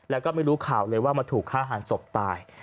แล้วก็ไม่รู้ข่าวเลยว่ามาถูกฆ่าหันศพตาย